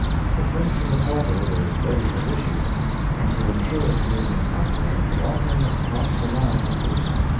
'The Prince and the Pauper' was ready for issue, and to insure Canadian copyright the author must cross the line in person.